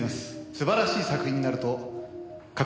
「素晴らしい作品になると確信しています」